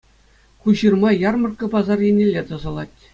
Ку ҫырма «Ярмӑрккӑ» пасар еннелле тӑсӑлать.